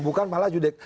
bukan malah yudik